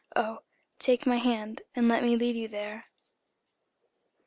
Oh, take my hand and let me lead you there.